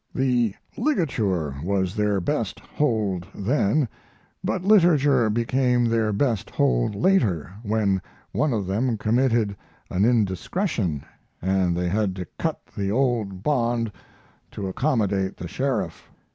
The ligature was their best hold then, but literature became their best hold later, when one of them committed an indiscretion, and they had to cut the old bond to accommodate the sheriff."